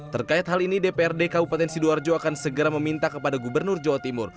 terkait hal ini dprd kabupaten sidoarjo akan segera meminta kepada gubernur jawa timur